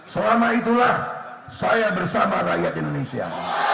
selama itulah saya bersama rakyat indonesia